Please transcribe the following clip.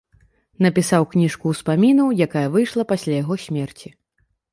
Напісаў кніжку ўспамінаў, якая выйшла пасля яго смерці.